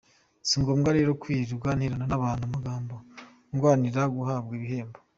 Si ngombwa rero kwirirwa nterana n’abantu amagambo ndwanira guhabwa ibihembo.